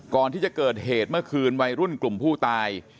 ก่อนที่จะเกิดเหตุเมื่อคืนวัยรุ่นกลุ่มผู้ตาย